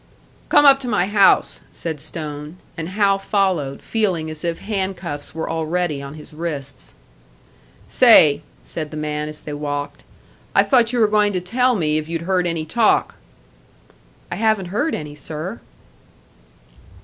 "Come up to my house," said Stone; and Hal followed, feeling as if hand cuffs were already on his wrists. "Say," said the man, as they walked, "I thought you were going to tell me if you'd heard any talk." "I haven't heard any, sir."